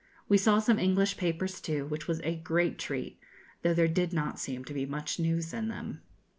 We saw some English papers too, which was a great treat, though there did not seem to be much news in them.